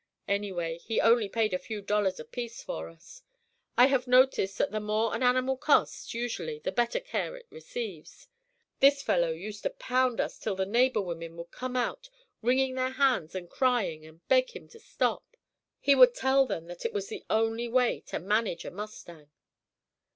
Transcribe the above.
Anyway he only paid a few dollars apiece for us. I have noticed that the more an animal costs, usually, the better care it receives. This fellow used to pound us till the neighbor women would come out, wringing their hands and crying, and beg him to stop. He would tell them that it was the only way to manage a mustang.